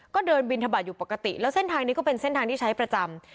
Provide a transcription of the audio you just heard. ก็เดินบินทบาทอยู่ปกติแล้วเส้นทางนี้ก็เป็นเส้นทางที่ใช้ประจำ